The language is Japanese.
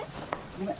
ごめん。